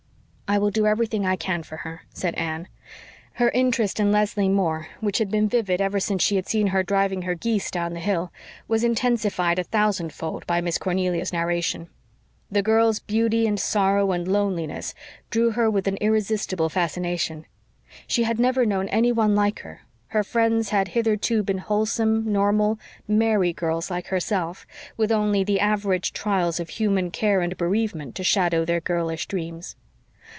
"I will do everything I can for her," said Anne. Her interest in Leslie Moore, which had been vivid ever since she had seen her driving her geese down the hill, was intensified a thousand fold by Miss Cornelia's narration. The girl's beauty and sorrow and loneliness drew her with an irresistible fascination. She had never known anyone like her; her friends had hitherto been wholesome, normal, merry girls like herself, with only the average trials of human care and bereavement to shadow their girlish dreams.